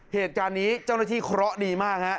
เหตุการณ์นี้เจ้าหน้าที่เคราะห์ดีมากฮะ